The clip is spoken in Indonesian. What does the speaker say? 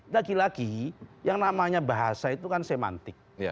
lagi lagi yang namanya bahasa itu kan semantik